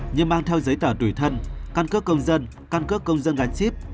như mang theo giấy tờ tủy thân căn cước công dân căn cước công dân gánh chip